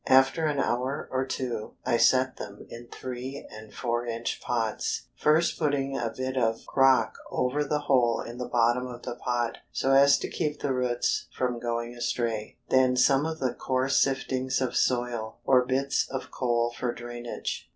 After an hour or two I set them in three and four inch pots, first putting a bit of crock over the hole in the bottom of the pot, so as to keep the roots from going astray, then some of the coarse siftings of soil, or small bits of coal for drainage.